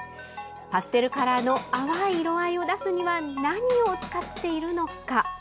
パステルカラーの淡い色合いを出すには何を使っているのか。